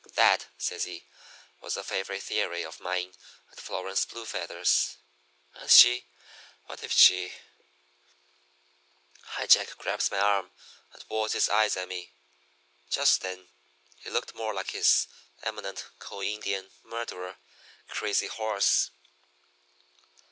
That,' says he, 'was a favorite theory of mine and Florence Blue Feather's. And she what if she ' "High Jack grabs my arm and walls his eyes at me. Just then he looked more like his eminent co Indian murderer, Crazy Horse.